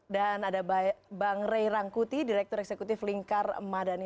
dan ada bang ray rangkuti direktur eksekutif lingkar madani